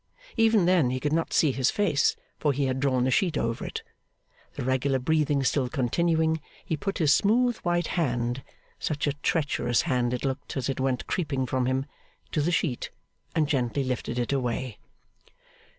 Even then he could not see his face, for he had drawn the sheet over it. The regular breathing still continuing, he put his smooth white hand (such a treacherous hand it looked, as it went creeping from him!) to the sheet, and gently lifted it away.